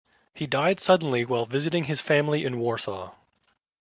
He died suddenly while visiting his family in Warsaw.